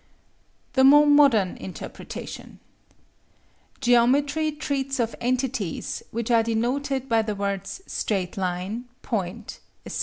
The more modern interpretation: Geometry treats of entities which are denoted by the words straight line, point, etc.